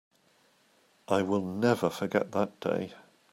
I will never forget that day.